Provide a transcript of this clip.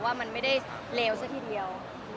ว่ามันไม่ได้เลวซะทีเดียว